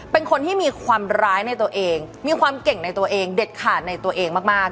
เป็นคนที่มีความร้ายในตัวเองมีความเก่งในตัวเองเด็ดขาดในตัวเองมาก